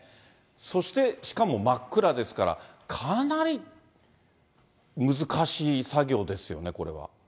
そして、しかも真っ暗ですから、かなり難しい作業ですよね、